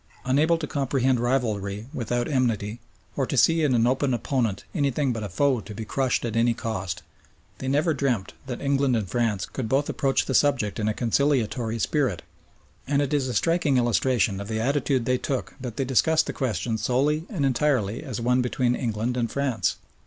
Unable to comprehend rivalry without enmity, or to see in an open opponent anything but a foe to be crushed at any cost, they never dreamed that England and France could both approach the subject in a conciliatory spirit, and it is a striking illustration of the attitude they took that they discussed the question solely and entirely as one between England and France.